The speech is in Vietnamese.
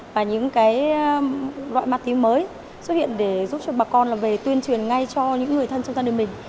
và những loại ma túy mới xuất hiện để giúp cho bà con về tuyên truyền ngay cho những người thân trong thân đời mình